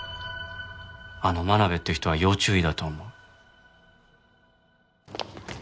あの真鍋っていう人は要注意だと思う。